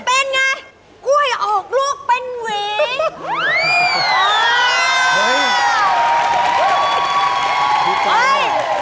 เป็นไงกล้วยออกลูกเป็นหวี